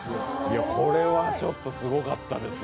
これはちょっとすごかったです。